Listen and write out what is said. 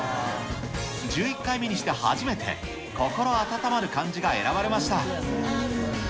１１回目にして初めて、心温まる漢字が選ばれました。